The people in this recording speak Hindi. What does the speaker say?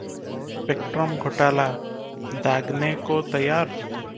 स्पेक्ट्रम घोटाला: दागने को तैयार